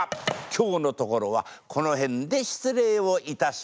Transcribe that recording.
今日のところはこの辺で失礼をいたします。